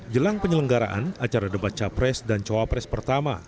jelang penyelenggaraan acara debat capres dan cawapres pertama